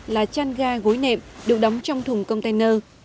là chăn ga gối nệm được đóng trong thùng container